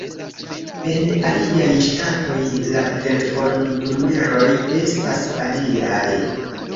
En aliaj ŝtatoj la telefonnumeroj estas aliaj.